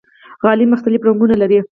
غالۍ مختلف رنګونه لري.